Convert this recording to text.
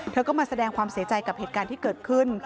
เธอก็มาแสดงความเสียใจกับเหตุการณ์ที่เกิดขึ้น